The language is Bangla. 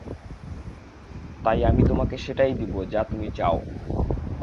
তাই আমি তোমাকে সেটাই দিব যা তুমি চাও।